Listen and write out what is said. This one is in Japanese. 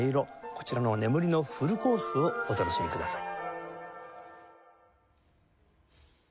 こちらの眠りのフルコースをお楽しみください。